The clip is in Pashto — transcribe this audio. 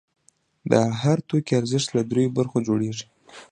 د هر توکي ارزښت له درېیو برخو جوړېږي